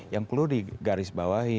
yang perlu digarisbawahi